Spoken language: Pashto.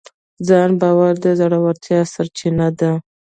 ځان باور د زړورتیا سرچینه ده.